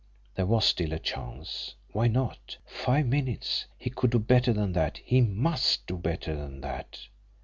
There was still a chance! Why not! Five minutes! He could do better than that! He MUST do better than that!